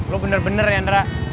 lu bener bener ya nera